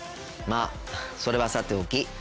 まあそれはさておき